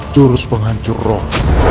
durus penghancur roh